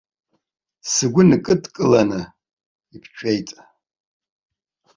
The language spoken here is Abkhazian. Сгәы нкыдкыланы иԥҵәеит.